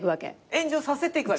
炎上させていくわけね。